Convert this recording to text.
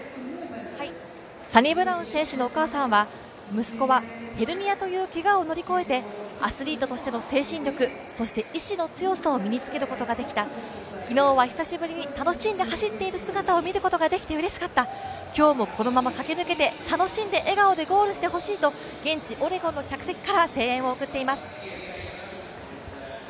サニブラウン選手のお母さんはアスリートとしての精神力、そして意思の強さを身に付けることができた、昨日は久しぶりに楽しんで走っている姿を見ることができてうれしかった、今日もこのまま駆け抜けて楽しんで笑顔でゴールしてほしいと現地オレゴンの客席から声援を送っています。